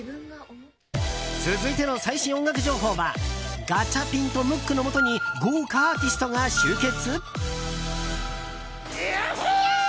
続いての最新音楽情報はガチャピンとムックのもとに豪華アーティストが集結？